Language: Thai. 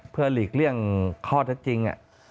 เพื่อหลีกเลี่ยงข้อเท็จจริง